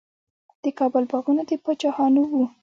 د کابل باغونه د پاچاهانو وو.